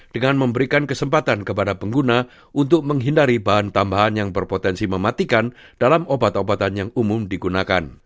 dengan memberikan kesempatan kepada pengguna untuk menghindari bahan tambahan yang berpotensi mematikan dalam obat obatan yang umum digunakan